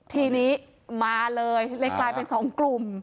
ทีนี้มาเลยเลยกลายเป็นสองกลุ่ม